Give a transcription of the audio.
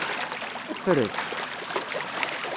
Ffret!